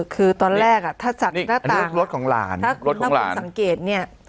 คือตอนแรกอ่ะถ้าจากหน้าตารถของหลานรถของหลานสังเกตเนี่ย